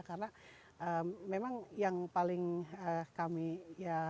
karena memang yang paling kami ya